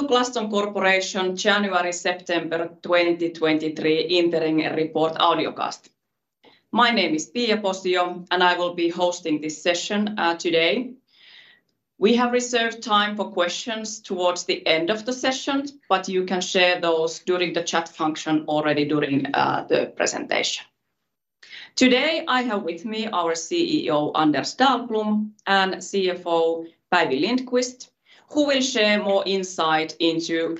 Welcome to Glaston Corporation January-September 2023 Interim Report audiocast. My name is Pia Posio, and I will be hosting this session today. We have reserved time for questions towards the end of the session, but you can share those during the chat function already during the presentation. Today, I have with me our CEO, Anders Dahlblom, and CFO, Päivi Lindqvist, who will share more insight into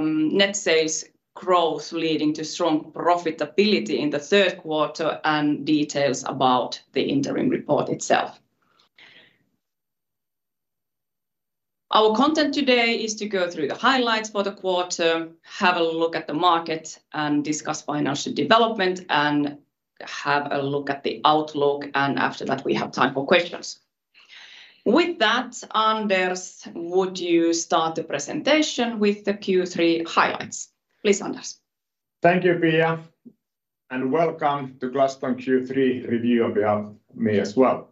net sales growth, leading to strong profitability in the third quarter and details about the interim report itself. Our content today is to go through the highlights for the quarter, have a look at the market and discuss financial development, and have a look at the outlook, and after that, we have time for questions. With that, Anders, would you start the presentation with the Q3 highlights? Please, Anders. Thank you, Pia, and welcome to Glaston Q3 review on behalf of me as well.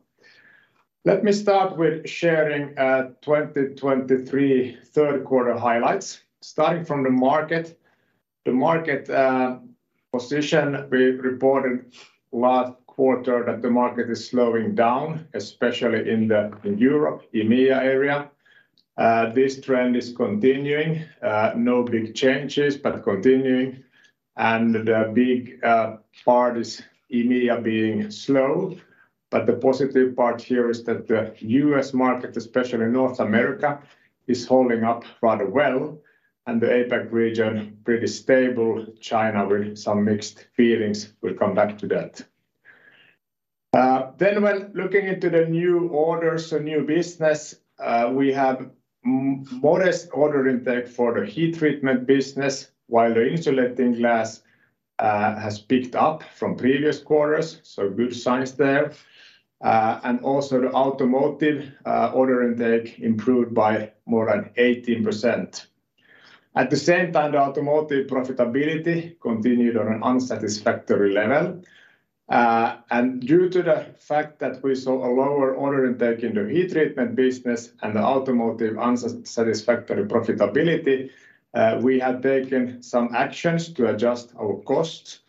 Let me start with sharing, 2023 third quarter highlights. Starting from the market, the market, position, we reported last quarter that the market is slowing down, especially in Europe, EMEA area. This trend is continuing, no big changes, but continuing, and the big, part is EMEA being slow. But the positive part here is that the U.S. market, especially North America, is holding up rather well, and the APAC region, pretty stable. China, with some mixed feelings. We'll come back to that. Then when looking into the new orders or new business, we have modest order intake for the heat treatment business, while the insulating glass, has picked up from previous quarters, so good signs there. And also the automotive order intake improved by more than 18%. At the same time, the automotive profitability continued on an unsatisfactory level. And due to the fact that we saw a lower order intake in the heat treatment business and the automotive unsatisfactory profitability, we have taken some actions to adjust our costs,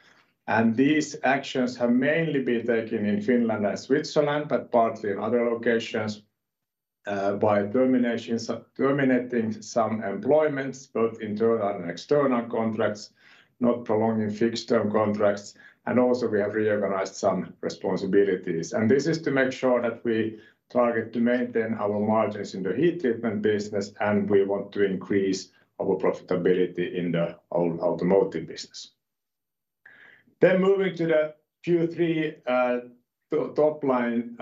and these actions have mainly been taken in Finland and Switzerland, but partly in other locations, by terminating some employments, both internal and external contracts, not prolonging fixed-term contracts, and also we have reorganized some responsibilities. And this is to make sure that we target to maintain our margins in the heat treatment business, and we want to increase our profitability in the automotive business. Then moving to the Q3, top line,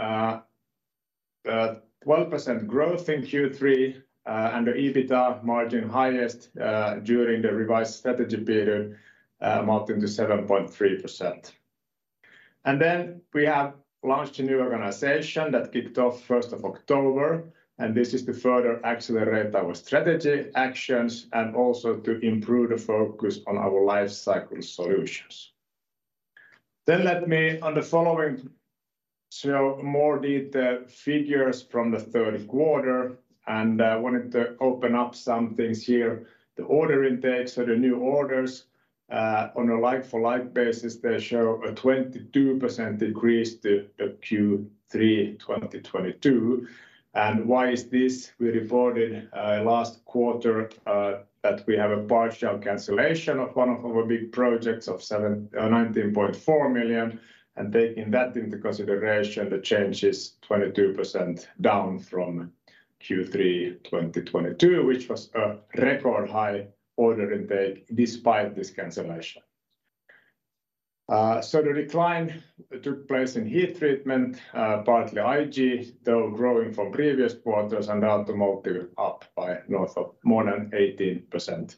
12% growth in Q3, and the EBITDA margin highest during the revised strategy period, amounting to 7.3%. And then we have launched a new organization that kicked off first of October, and this is to further accelerate our strategy, actions, and also to improve the focus on our life cycle solutions. Then let me, on the following, show more detailed figures from the third quarter, and I wanted to open up some things here. The order intake, so the new orders, on a like-for-like basis, they show a 22% increase to the Q3 2022. And why is this? We reported, last quarter, that we have a partial cancellation of one of our big projects of seven... 19.4 million, and taking that into consideration, the change is 22% down from Q3 2022, which was a record high order intake despite this cancellation. So the decline took place in Heat Treatment, partly IG, though growing from previous quarters, and the automotive up by north of more than 18%.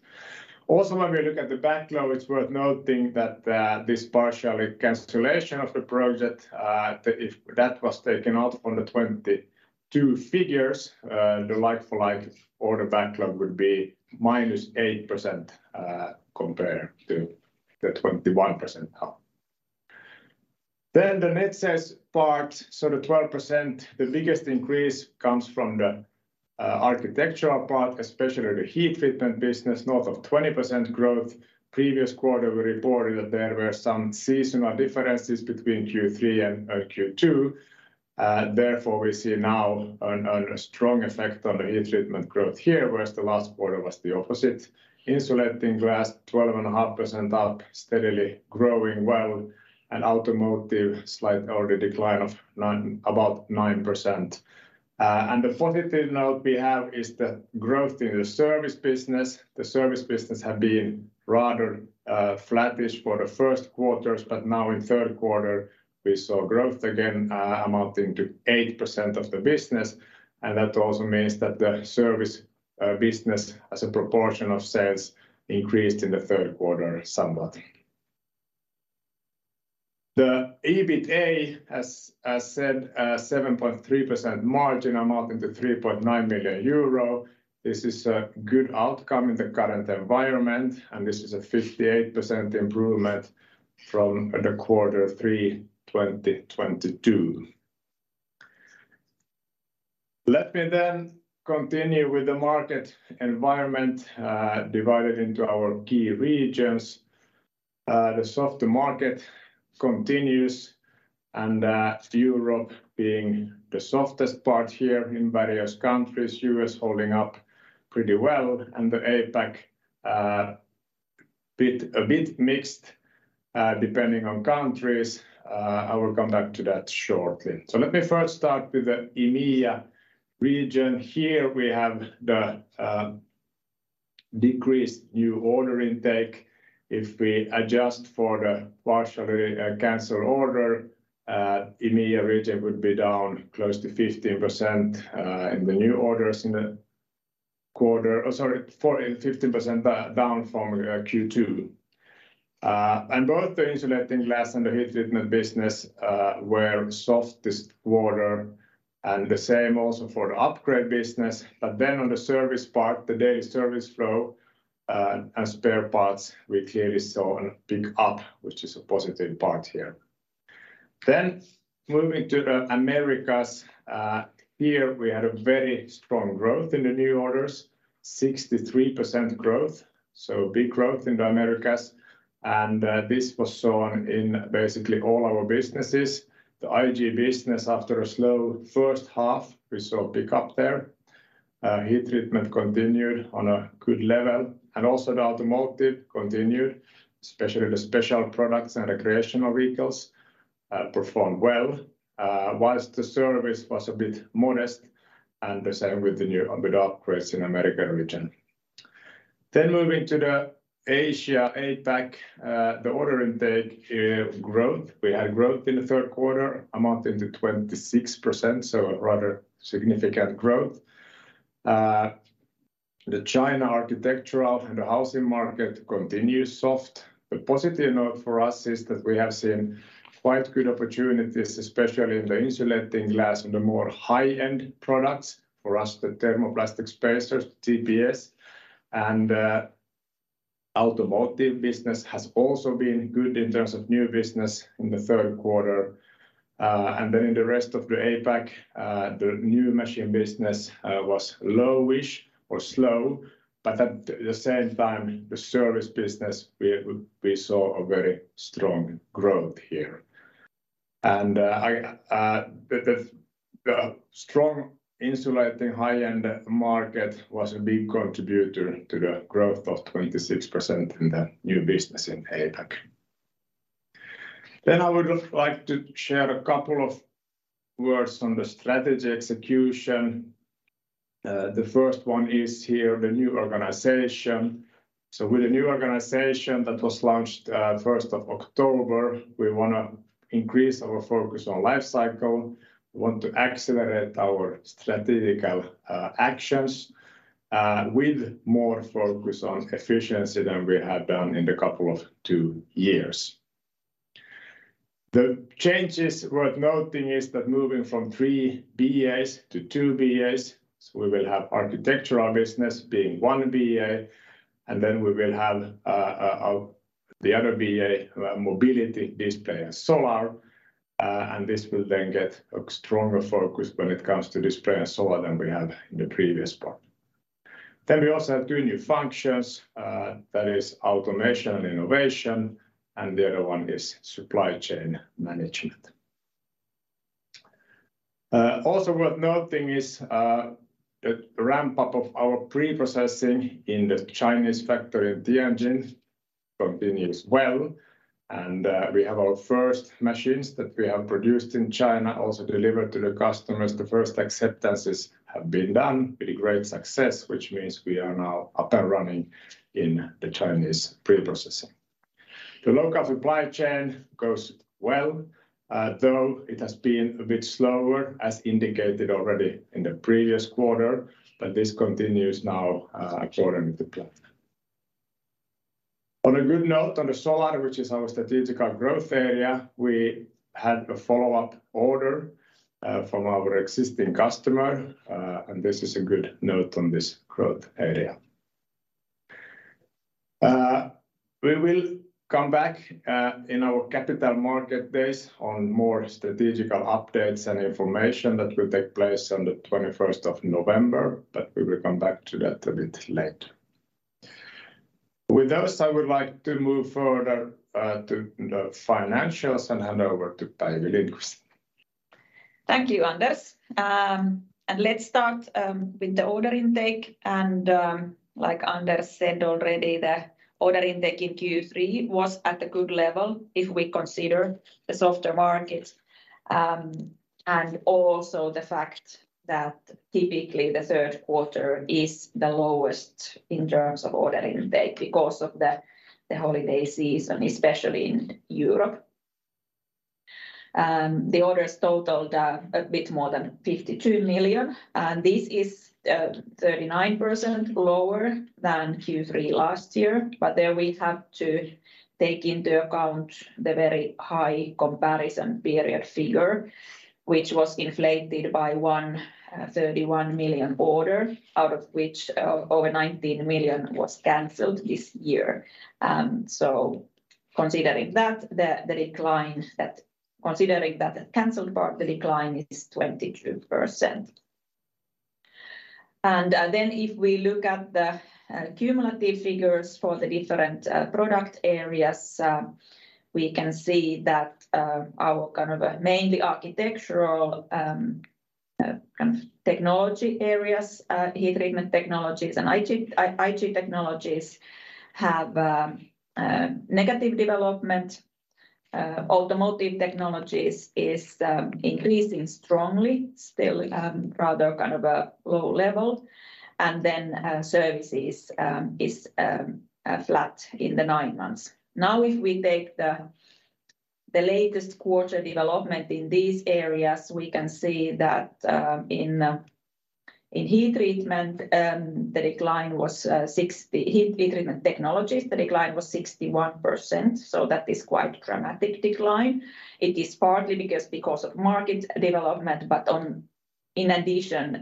Also, when we look at the backlog, it's worth noting that this partial cancellation of the project, if that was taken out from the 22 figures, the like-for-like order backlog would be -8%, compared to the 21% up. Then the net sales part, so the 12%, the biggest increase comes from the Architecture part, especially the Heat Treatment business, north of 20% growth. Previous quarter, we reported that there were some seasonal differences between Q3 and Q2, therefore, we see now a strong effect on the heat treatment growth here, whereas the last quarter was the opposite. Insulating glass, 12.5% up, steadily growing well, and automotive, slight order decline of about 9%. The positive note we have is the growth in the service business. The service business had been rather flattish for the first quarters, but now in third quarter, we saw growth again, amounting to 8% of the business, and that also means that the service business, as a proportion of sales, increased in the third quarter somewhat. The EBITA, as said, a 7.3% margin amounting to 3.9 million euro. This is a good outcome in the current environment, and this is a 58% improvement from the quarter 3 2022. Let me then continue with the market environment, divided into our key regions. The softer market continues, and Europe being the softest part here in various countries, U.S. holding up pretty well, and the APAC a bit mixed, depending on countries. I will come back to that shortly. So let me first start with the EMEA region. Here, we have the decreased new order intake. If we adjust for the partially canceled order, EMEA region would be down close to 15% in the new orders in the quarter. Fifteen percent down from Q2. And both the insulating glass and the heat treatment business were soft this quarter, and the same also for the upgrade business. But then on the service part, the daily service flow and spare parts, we clearly saw a pick-up, which is a positive part here. Then, moving to the Americas. Here, we had a very strong growth in the new orders, 63% growth, so big growth in the Americas, and this was seen in basically all our businesses. The IG business, after a slow first half, we saw a pick-up there. Heat treatment continued on a good level, and also the automotive continued, especially the special products and recreational vehicles performed well, whilst the service was a bit modest, and the same with the upgrades in Americas region. Then, moving to the Asia APAC, the order intake growth. We had growth in the third quarter, amounting to 26%, so a rather significant growth. The China architectural and the housing market continues soft. The positive note for us is that we have seen quite good opportunities, especially in the insulating glass and the more high-end products. For us, the thermoplastic spacers, TPS, and automotive business has also been good in terms of new business in the third quarter. And then in the rest of the APAC, the new machine business was low-ish or slow, but at the same time, the service business, we saw a very strong growth here. And the strong insulating high-end market was a big contributor to the growth of 26% in the new business in APAC. Then I would like to share a couple of words on the strategy execution. The first one is here, the new organization. So with the new organization that was launched first of October, we want to increase our focus on life cycle. We want to accelerate our strategic actions with more focus on efficiency than we have done in the couple of two years. The changes worth noting is that moving from three BAs to two BAs, so we will have Architecture business being one BA, and then we will have the other BA, Mobility, Display, and Solar. And this will then get a stronger focus when it comes to display and solar than we had in the previous part. Then we also have two new functions, that is automation and innovation, and the other one is supply chain management. Also worth noting is the ramp-up of our pre-processing in the Chinese factory in Tianjin continues well, and we have our first machines that we have produced in China also delivered to the customers. The first acceptances have been done with great success, which means we are now up and running in the Chinese pre-processing. The local supply chain goes well, though it has been a bit slower, as indicated already in the previous quarter, but this continues now according to plan. On a good note, on the solar, which is our strategical growth area, we had a follow-up order from our existing customer, and this is a good note on this growth area. We will come back in our Capital Markets Day on more strategic updates and information that will take place on the twenty-first of November, but we will come back to that a bit later. With this, I would like to move further to the financials and hand over to Päivi Lindqvist. Thank you, Anders. Let's start with the order intake. Like Anders said already, the order intake in Q3 was at a good level if we consider the softer market, and also the fact that typically, the third quarter is the lowest in terms of order intake because of the holiday season, especially in Europe. The orders totaled a bit more than 52 million, and this is 39% lower than Q3 last year. But there we have to take into account the very high comparison period figure, which was inflated by one 31 million order, out of which over 19 million was canceled this year. Considering that the canceled part, the decline is 22%. Then, if we look at the cumulative figures for the different product areas, we can see that our kind of mainly architectural kind of technology areas, Heat Treatment Technologies, and IG Technologies have negative development. Automotive Technologies is increasing strongly, still rather kind of a low level, and then Services is flat in the nine months. Now, if we take the latest quarter development in these areas, we can see that in Heat Treatment Technologies, the decline was 61%, so that is quite dramatic decline. It is partly because of market development, but in addition,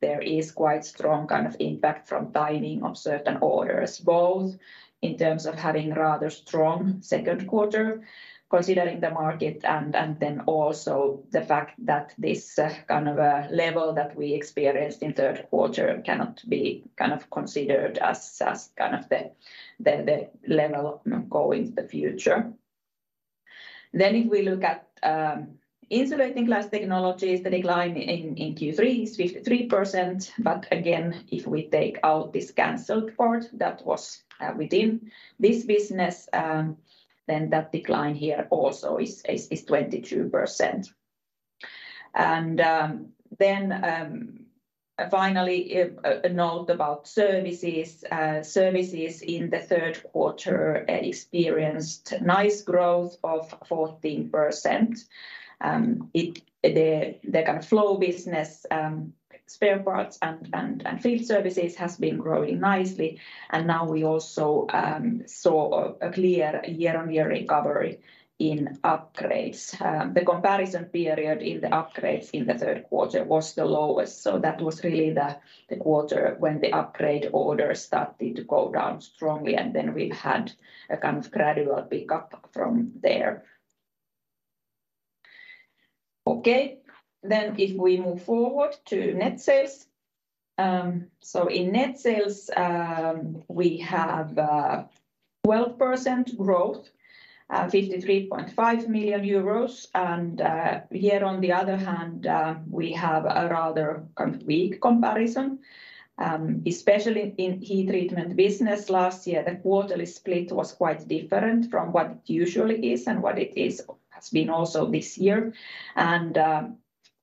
there is quite strong kind of impact from timing of certain orders, both in terms of having rather strong second quarter, considering the market, and then also the fact that this kind of level that we experienced in third quarter cannot be kind of considered as kind of the level going to the future. Then if we look at Insulating Glass Technologies, the decline in Q3 is 53%, but again, if we take out this canceled part that was within this business, then that decline here also is 22%. Then finally, a note about services. Services in the third quarter experienced nice growth of 14%. The kind of flow business, spare parts and field services has been growing nicely, and now we also saw a clear year-on-year recovery in upgrades. The comparison period in the upgrades in the third quarter was the lowest, so that was really the quarter when the upgrade orders started to go down strongly, and then we've had a kind of gradual pickup from there. Okay, then if we move forward to net sales. So in net sales, we have 12% growth, 53.5 million euros, and here, on the other hand, we have a rather kind of weak comparison, especially in heat treatment business. Last year, the quarterly split was quite different from what it usually is and what it is has been also this year.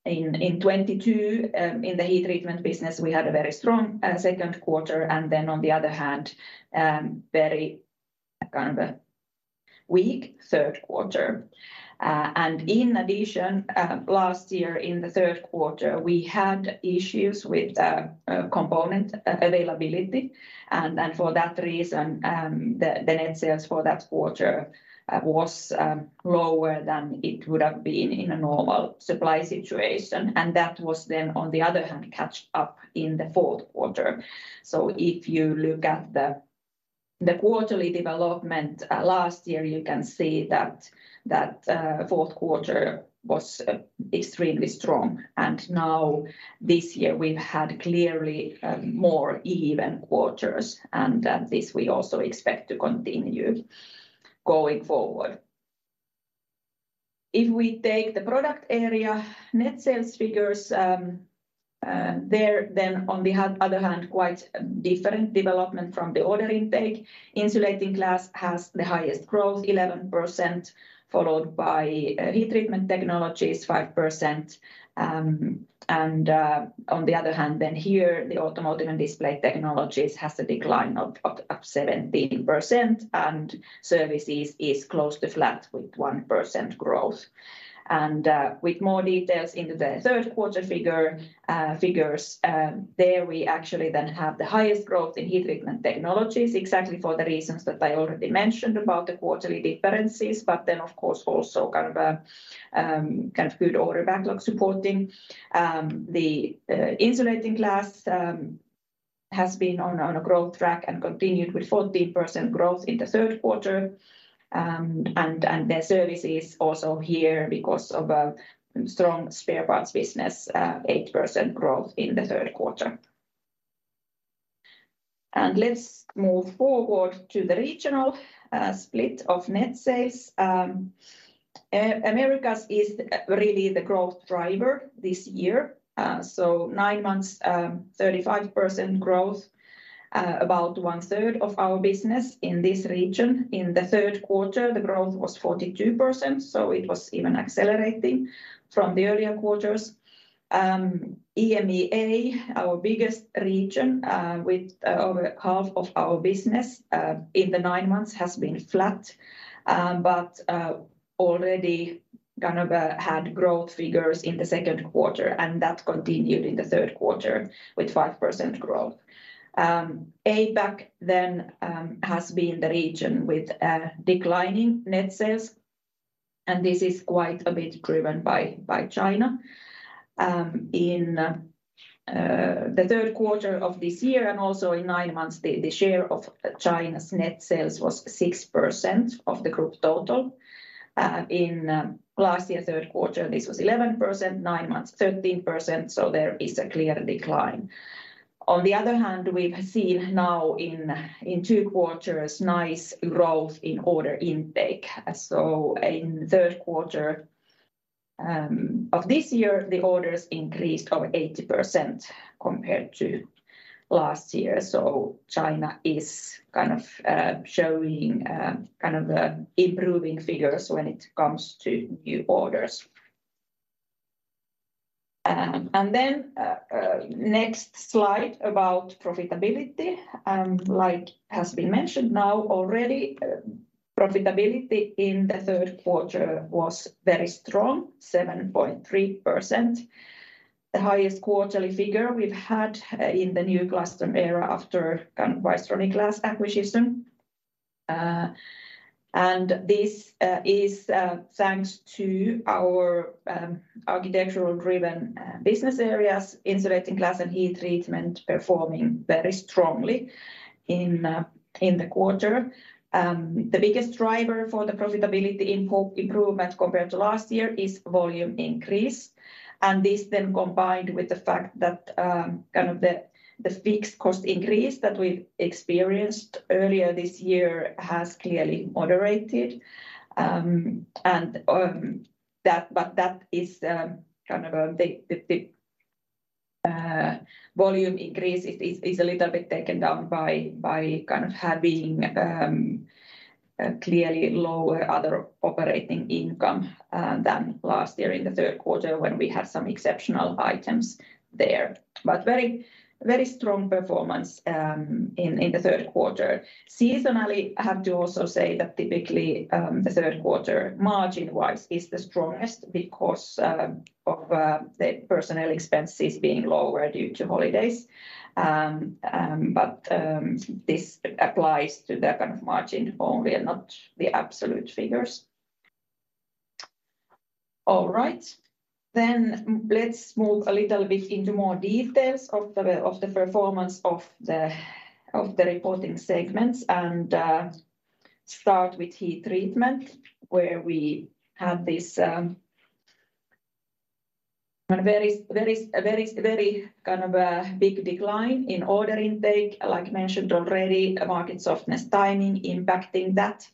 In 2022, in the heat treatment business, we had a very strong second quarter and then on the other hand, very kind of a weak third quarter. And in addition, last year in the third quarter, we had issues with component availability, and for that reason, the net sales for that quarter was lower than it would have been in a normal supply situation, and that was then, on the other hand, caught up in the fourth quarter. So if you look at the quarterly development last year, you can see that fourth quarter was extremely strong, and now, this year, we've had clearly more even quarters, and this we also expect to continue going forward. If we take the product area net sales figures, there, then, on the other hand, quite different development from the order intake. Insulating Glass has the highest growth, 11%, followed by Heat Treatment Technologies, 5%. On the other hand, then here, the Automotive and Display Technologies has a decline of 17%, and Services is close to flat, with 1% growth. With more details into the third quarter figures, there we actually then have the highest growth in Heat Treatment Technologies, exactly for the reasons that I already mentioned about the quarterly differences, but then, of course, also kind of a good order backlog supporting. The Insulating Glass has been on a growth track and continued with 14% growth in the third quarter. The services also here, because of a strong spare parts business, 8% growth in the third quarter. Let's move forward to the regional split of net sales. Americas is really the growth driver this year. So 9 months, 35% growth, about one third of our business in this region. In the third quarter, the growth was 42%, so it was even accelerating from the earlier quarters. EMEA, our biggest region, with over half of our business, in the 9 months, has been flat, but already kind of had growth figures in the second quarter, and that continued in the third quarter with 5% growth. APAC then has been the region with declining net sales... and this is quite a bit driven by China. In the third quarter of this year and also in nine months, the share of China's net sales was 6% of the group total. In last year third quarter, this was 11%, nine months, 13%, so there is a clear decline. On the other hand, we've seen now in two quarters, nice growth in order intake. So in third quarter of this year, the orders increased over 80% compared to last year. So China is kind of showing kind of improving figures when it comes to new orders. And then next slide about profitability. Like has been mentioned now already, profitability in the third quarter was very strong, 7.3%. The highest quarterly figure we've had in the new Glaston era after kind of Bystronic Glass acquisition. And this is thanks to our architecture-driven business areas, insulating glass and heat treatment performing very strongly in the quarter. The biggest driver for the profitability improvement compared to last year is volume increase, and this then combined with the fact that kind of the fixed cost increase that we experienced earlier this year has clearly moderated. And that—but that is kind of the volume increase is a little bit taken down by kind of having a clearly lower other operating income than last year in the third quarter, when we had some exceptional items there. But very, very strong performance in the third quarter. Seasonally, I have to also say that typically, the third quarter, margin-wise, is the strongest because of the personnel expenses being lower due to holidays. But this applies to the kind of margin only and not the absolute figures. All right. Then let's move a little bit into more details of the performance of the reporting segments, and start with heat treatment, where we have this a very big decline in order intake. Like mentioned already, market softness, timing impacting that.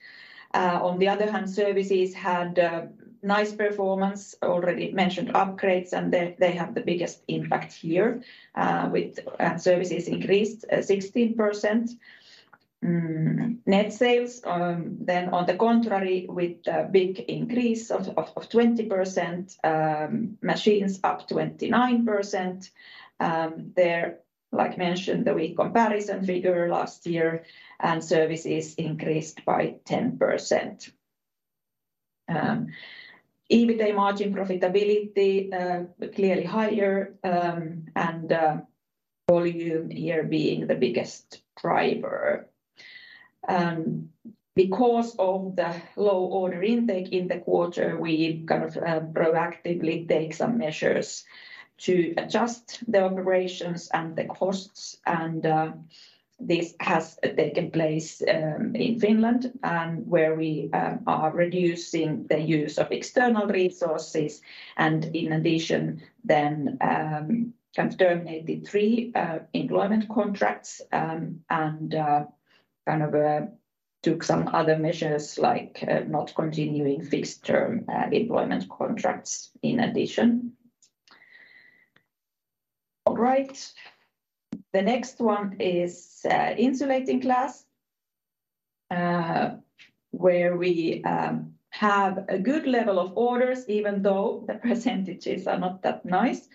On the other hand, services had a nice performance, already mentioned upgrades, and they have the biggest impact here, with services increased 16%. Net sales, then on the contrary, with a big increase of 20%, machines up 29%. There, like mentioned, the weak comparison figure last year, and services increased by 10%. EBITA margin profitability clearly higher, and volume here being the biggest driver. Because of the low order intake in the quarter, we kind of proactively take some measures to adjust the operations and the costs, and this has taken place in Finland, and where we are reducing the use of external resources, and in addition, then kind of terminated three employment contracts, and kind of took some other measures, like not continuing fixed-term employment contracts in addition. All right. The next one is insulating glass, where we have a good level of orders, even though the percentages are not that nice.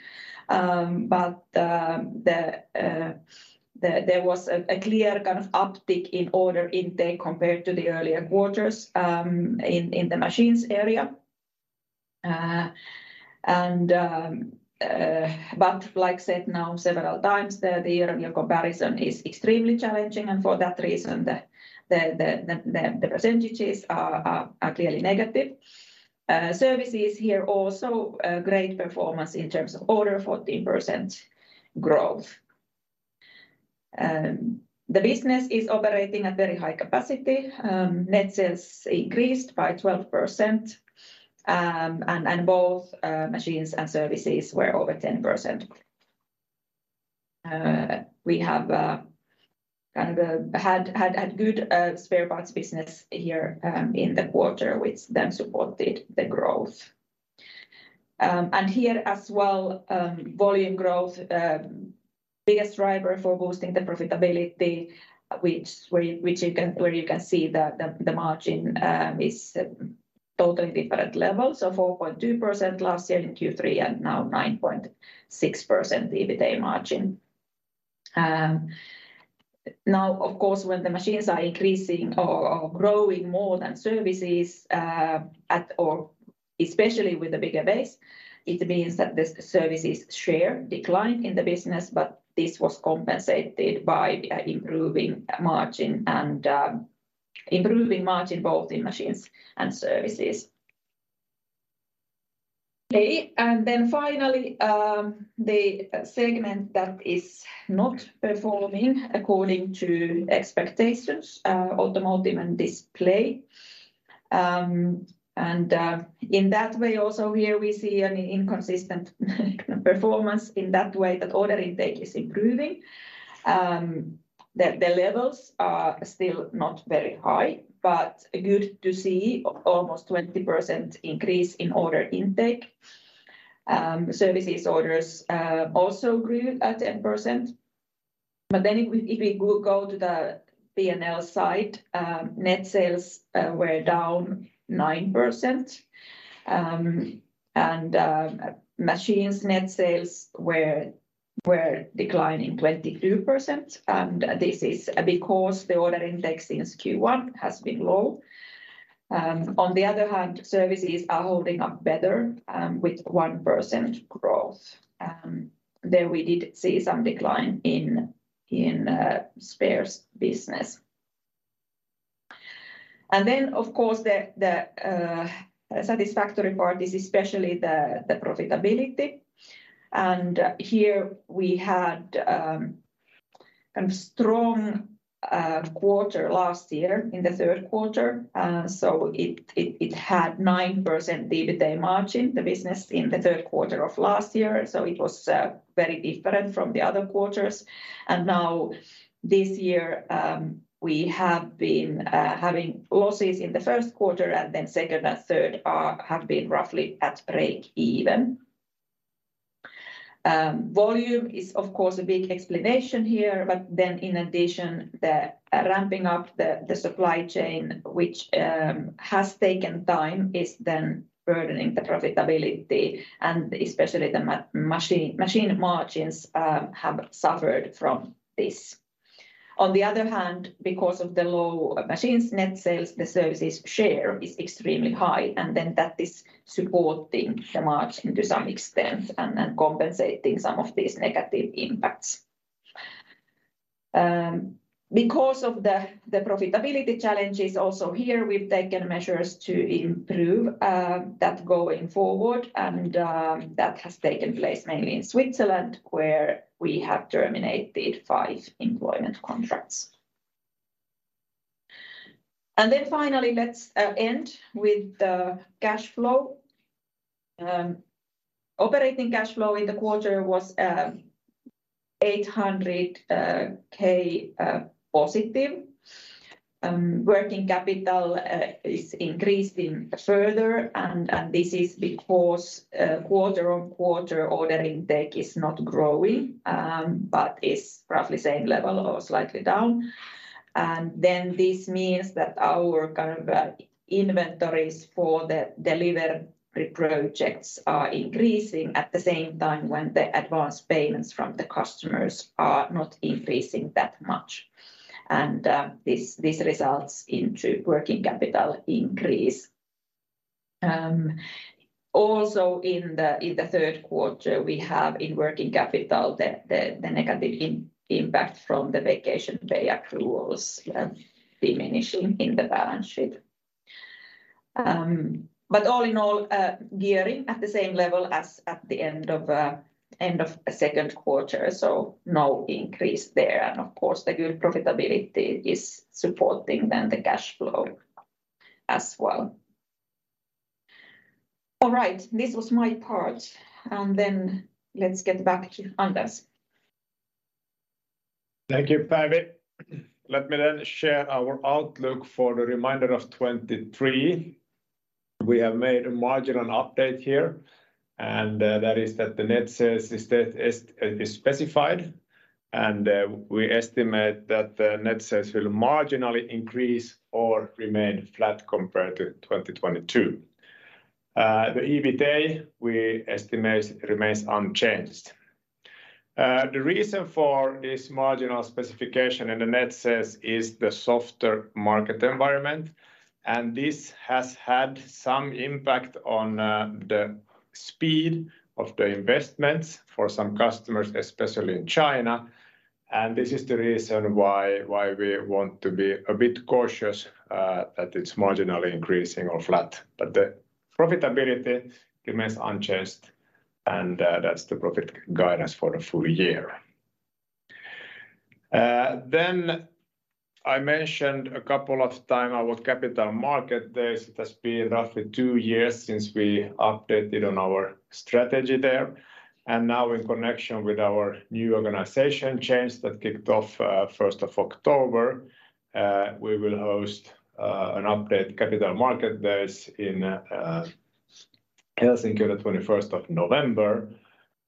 But there was a clear kind of uptick in order intake compared to the earlier quarters in the machines area. But like I said now several times, the year-on-year comparison is extremely challenging, and for that reason, the percentages are clearly negative. Services here also a great performance in terms of order, 14% growth. The business is operating at very high capacity. Net sales increased by 12%, and both machines and services were over 10%. We have kind of had a good spare parts business here in the quarter, which then supported the growth. And here as well, volume growth, biggest driver for boosting the profitability, which you can see the margin is totally different level, so 4.2% last year in Q3, and now 9.6% EBITA margin. Now, of course, when the machines are increasing or growing more than services, especially with the bigger base, it means that the services share decline in the business, but this was compensated by improving margin and improving margin both in machines and services. Okay, and then finally, the segment that is not performing according to expectations, automotive and display. In that way also here we see an inconsistent performance in that way that order intake is improving. The levels are still not very high, but good to see almost 20% increase in order intake. Services orders also grew at 10%. But then if we go to the P&L side, net sales were down 9%. Machines net sales were declining 22%, and this is because the order intake since Q1 has been low. On the other hand, services are holding up better with 1% growth. There we did see some decline in spares business. And then, of course, the satisfactory part is especially the profitability. And here we had kind of strong quarter last year in the third quarter. So it had 9% EBITA margin, the business in the third quarter of last year, so it was very different from the other quarters. Now, this year, we have been having losses in the first quarter, and then second and third have been roughly at break-even. Volume is of course a big explanation here, but then in addition, the ramping up the supply chain, which has taken time, is then burdening the profitability, and especially the machine margins have suffered from this. On the other hand, because of the low machines net sales, the services share is extremely high, and then that is supporting the margin to some extent and compensating some of these negative impacts. Because of the profitability challenges also here, we've taken measures to improve that going forward, and that has taken place mainly in Switzerland, where we have terminated five employment contracts. And then finally, let's end with the cash flow. Operating cash flow in the quarter was 800,000 positive. Working capital is increasing further, and this is because quarter-over-quarter order intake is not growing, but is roughly same level or slightly down. And then this means that our kind of inventories for the delivery projects are increasing at the same time when the advanced payments from the customers are not increasing that much. And this results into working capital increase. Also in the third quarter, we have in working capital the negative impact from the vacation day accruals diminishing in the balance sheet. But all in all, gearing at the same level as at the end of the second quarter, so no increase there. And of course, the good profitability is supporting then the cash flow as well. All right, this was my part, and then let's get back to Anders. Thank you, Päivi. Let me then share our outlook for the remainder of 2023. We have made a marginal update here, and that is that the net sales is specified, and we estimate that the net sales will marginally increase or remain flat compared to 2022. The EBITA, we estimate, remains unchanged. The reason for this marginal specification in the net sales is the softer market environment, and this has had some impact on the speed of the investments for some customers, especially in China. This is the reason why we want to be a bit cautious that it's marginally increasing or flat, but the profitability remains unchanged, and that's the profit guidance for the full year. Then I mentioned a couple of times our Capital Markets Day. It has been roughly two years since we updated on our strategy there, and now in connection with our new organization change that kicked off first of October, we will host an update Capital Markets Day in Helsinki on the twenty-first of November,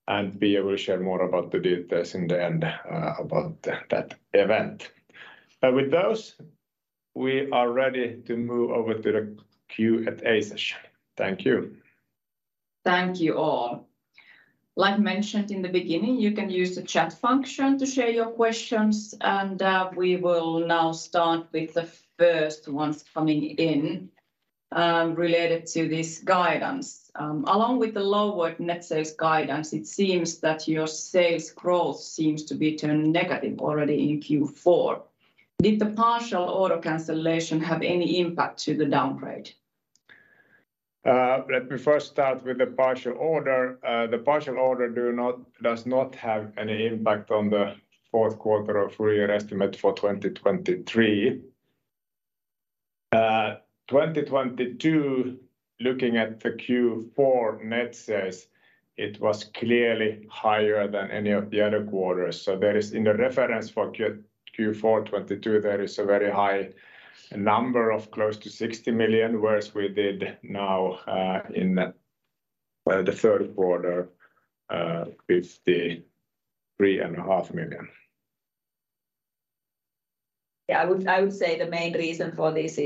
and Pia will share more about the details in the end about that event. With those, we are ready to move over to the Q&A session. Thank you.... Thank you all. Like mentioned in the beginning, you can use the chat function to share your questions, and, we will now start with the first ones coming in, related to this guidance. Along with the lowered net sales guidance, it seems that your sales growth seems to be turned negative already in Q4. Did the partial order cancellation have any impact to the downgrade? Let me first start with the partial order. The partial order does not have any impact on the fourth quarter or full year estimate for 2023. 2022, looking at the Q4 net sales, it was clearly higher than any of the other quarters. So there is, in the reference for Q4 2022, there is a very high number of close to 60 million, whereas we did now, in, well, the third quarter, 53.5 million. Yeah, I would say the main reason for this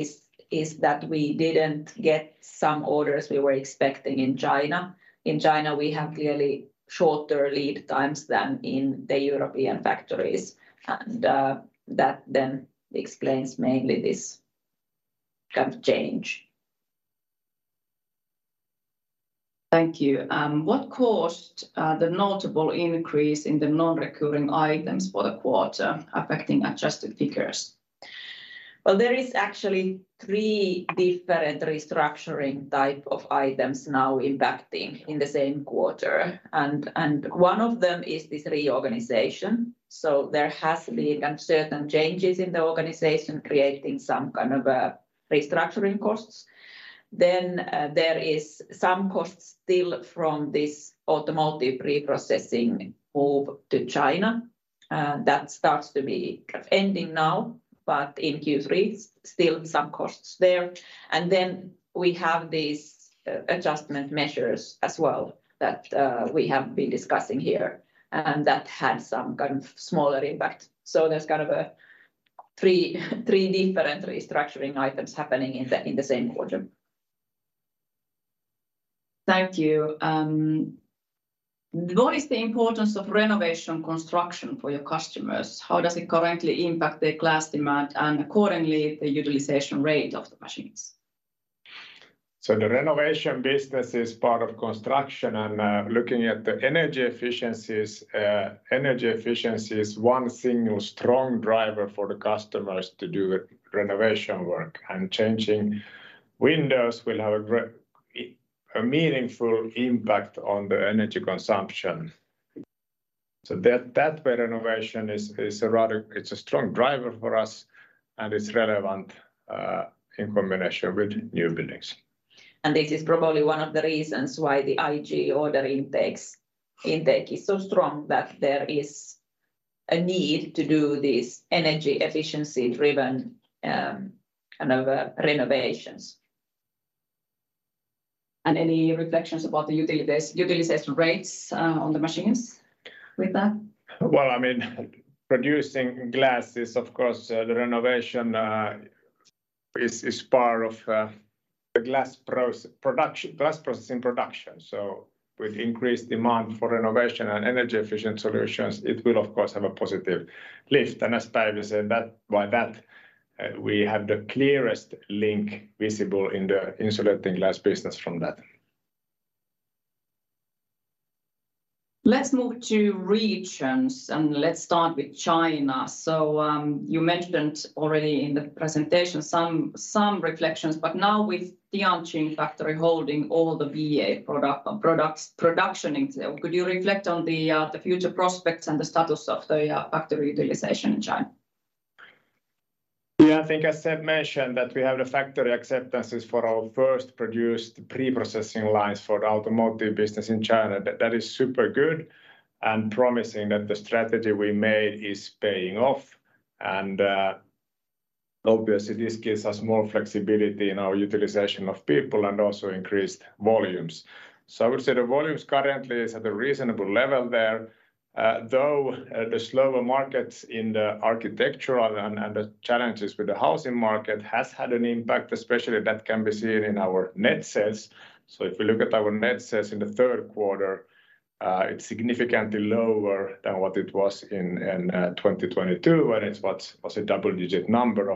is that we didn't get some orders we were expecting in China. In China, we have clearly shorter lead times than in the European factories, and that then explains mainly this kind of change. Thank you. What caused the notable increase in the non-recurring items for the quarter affecting adjusted figures? Well, there is actually three different restructuring type of items now impacting in the same quarter, and one of them is this reorganization. So there has been certain changes in the organization, creating some kind of restructuring costs. Then, there is some costs still from this automotive preprocessing move to China. That starts to be kind of ending now, but in Q3, still some costs there. And then we have these adjustment measures as well, that we have been discussing here, and that had some kind of smaller impact. So there's kind of a three, three different restructuring items happening in the same quarter. Thank you. What is the importance of renovation construction for your customers? How does it currently impact the glass demand and accordingly, the utilization rate of the machines? So the renovation business is part of construction, and looking at the energy efficiencies, energy efficiency is one single strong driver for the customers to do renovation work. And changing windows will have a meaningful impact on the energy consumption. So that renovation is a rather strong driver for us, and it's relevant in combination with new buildings. This is probably one of the reasons why the IG order intake is so strong, that there is a need to do these energy efficiency-driven, kind of, renovations. Any reflections about the utilization rates on the machines with that? Well, I mean, producing glass is, of course, the renovation is part of the glass production, glass processing production. So with increased demand for renovation and energy-efficient solutions, it will of course have a positive lift. And as Päivi said, that by that, we have the clearest link visible in the insulating glass business from that. Let's move to regions, and let's start with China. So, you mentioned already in the presentation some reflections, but now with the Tianjin factory holding all the VA products production, could you reflect on the future prospects and the status of the factory utilization in China? Yeah, I think as I mentioned, that we have the factory acceptances for our first produced preprocessing lines for the automotive business in China. That is super good and promising that the strategy we made is paying off. And obviously, this gives us more flexibility in our utilization of people and also increased volumes. So I would say the volumes currently is at a reasonable level there, though the slower markets in the architectural and the challenges with the housing market has had an impact, especially that can be seen in our net sales. So if we look at our net sales in the third quarter, it's significantly lower than what it was in 2022, when it was about a double-digit number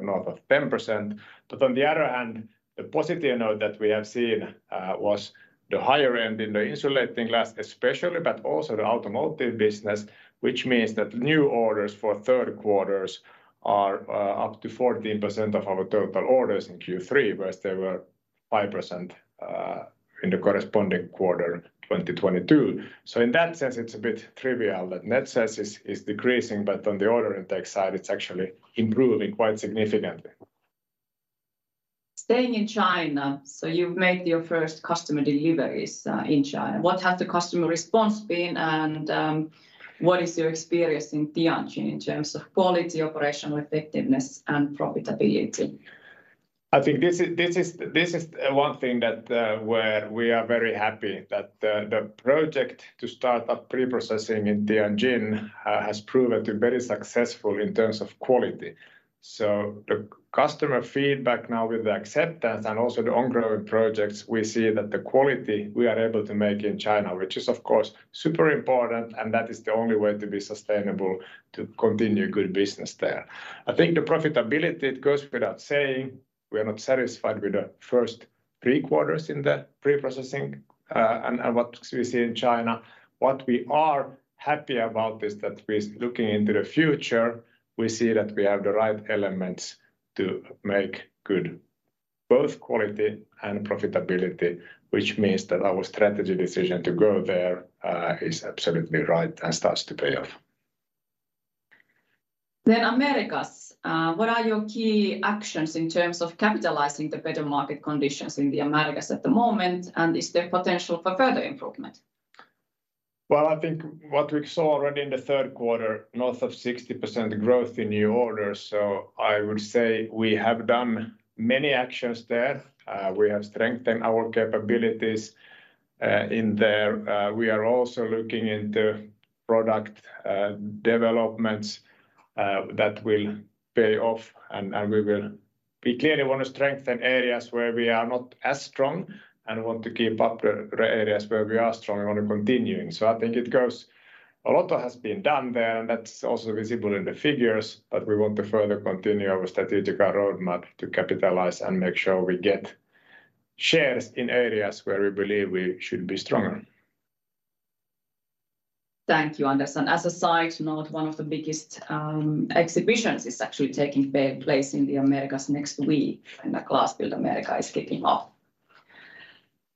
north of 10%. But on the other hand, the positive note that we have seen was the higher end in the insulating glass especially, but also the automotive business, which means that new orders for third quarters are up to 14% of our total orders in Q3, whereas they were 5% in the corresponding quarter in 2022. So in that sense, it's a bit trivial that net sales is, is decreasing, but on the order intake side, it's actually improving quite significantly. Staying in China, so you've made your first customer deliveries in China. What has the customer response been, and what is your experience in Tianjin in terms of quality, operational effectiveness, and profitability?... I think this is one thing that where we are very happy that the project to start up pre-processing in Tianjin has proven to very successful in terms of quality. So the customer feedback now with the acceptance and also the ongoing projects, we see that the quality we are able to make in China, which is of course super important, and that is the only way to be sustainable, to continue good business there. I think the profitability, it goes without saying, we are not satisfied with the first three quarters in the pre-processing, and what we see in China. What we are happy about is that we, looking into the future, see that we have the right elements to make good both quality and profitability, which means that our strategy decision to go there is absolutely right and starts to pay off. Then Americas. What are your key actions in terms of capitalizing the better market conditions in the Americas at the moment, and is there potential for further improvement? Well, I think what we saw already in the third quarter, north of 60% growth in new orders, so I would say we have done many actions there. We have strengthened our capabilities in there. We are also looking in the product developments that will pay off, and we will... We clearly want to strengthen areas where we are not as strong and want to keep up the areas where we are strong and want to continuing. So I think a lot has been done there, and that's also visible in the figures, but we want to further continue our strategic roadmap to capitalize and make sure we get shares in areas where we believe we should be stronger. Thank you, Anders. And as a side note, one of the biggest exhibitions is actually taking place in the Americas next week, and the GlassBuild America is kicking off.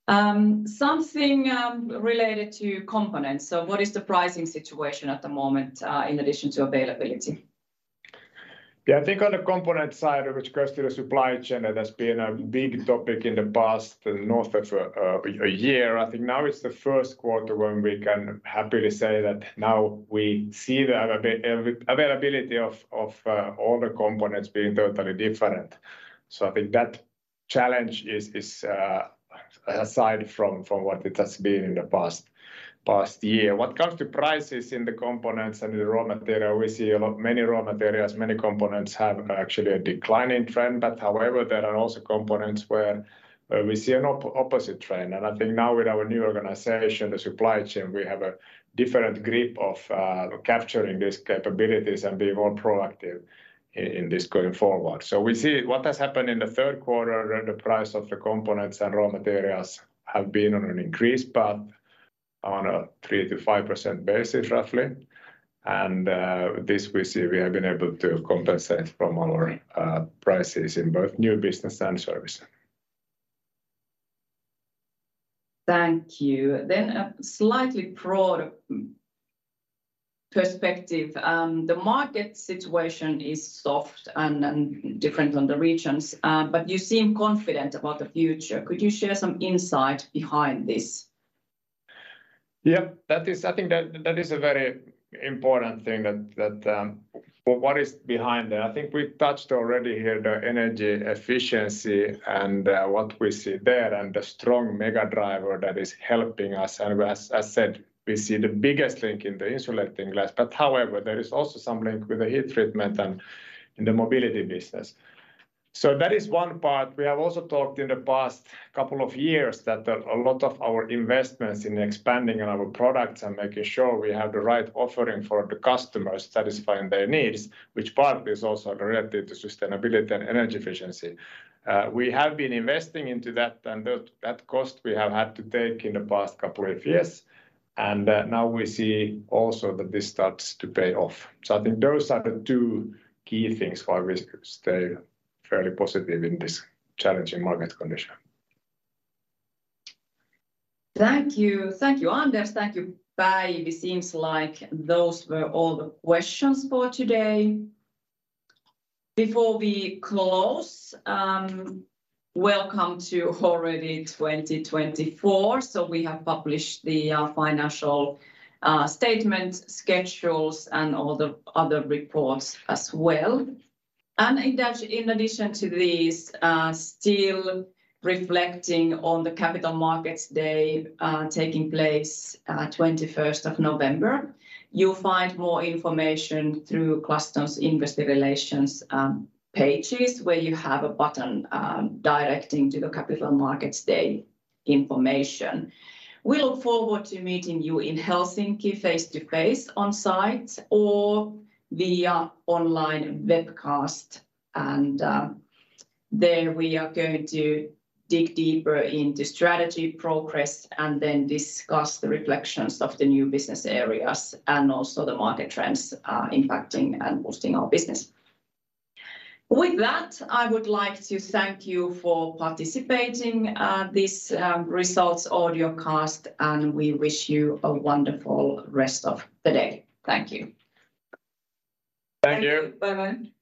Something related to components. So what is the pricing situation at the moment, in addition to availability? Yeah, I think on the component side, which goes to the supply chain, that has been a big topic in the past, and north of a year, I think now it's the first quarter when we can happily say that now we see the availability of all the components being totally different. So I think that challenge is aside from what it has been in the past year. When it comes to prices in the components and the raw material, we see many raw materials, many components have actually a declining trend. But however, there are also components where we see an opposite trend. And I think now with our new organization, the supply chain, we have a different grip of capturing these capabilities and being more proactive in this going forward. We see what has happened in the third quarter, the price of the components and raw materials have been on an increase path on a 3%-5% basis, roughly. This we see we have been able to compensate from our prices in both new business and service. Thank you. Then a slightly broader perspective. The market situation is soft and, and different on the regions, but you seem confident about the future. Could you share some insight behind this? Yeah, that is. I think that is a very important thing, that. What is behind that? I think we touched already here the energy efficiency and what we see there, and the strong mega driver that is helping us. As said, we see the biggest link in the insulating glass, but however, there is also some link with the heat treatment and in the mobility business. That is one part. We have also talked in the past couple of years that a lot of our investments in expanding our products and making sure we have the right offering for the customer, satisfying their needs, which part is also related to sustainability and energy efficiency. We have been investing into that, and that cost we have had to take in the past couple of years. Now we see also that this starts to pay off. I think those are the two key things why we stay fairly positive in this challenging market condition. Thank you. Thank you, Anders. Thank you, Päivi. Seems like those were all the questions for today. Before we close, welcome to already 2024. So we have published the financial statement schedules, and all the other reports as well. In addition to these, still reflecting on the Capital Markets Day taking place on November 21, you'll find more information through Pia's investor relations pages, where you have a button directing to the Capital Markets Day information. We look forward to meeting you in Helsinki, face-to-face on site or via online webcast, and there we are going to dig deeper into strategy progress and then discuss the reflections of the new business areas and also the market trends impacting and boosting our business. With that, I would like to thank you for participating this results audiocast, and we wish you a wonderful rest of the day. Thank you. Thank you. Thank you. Bye-bye.